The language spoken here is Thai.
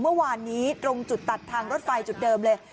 เมื่อวานนี้ตรงจุดตัดทางรถไฟจุดเดิมเลย